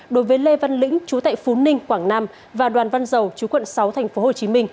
đối với lê văn lĩnh chú tại phú ninh quảng nam và đoàn văn dầu chú quận sáu tp hcm